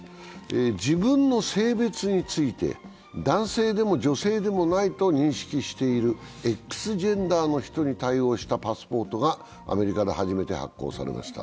自分の性別について男性でも女性でもないと認識しているＸジェンダーの人に対応したパスポートがアメリカで初めて発行されました。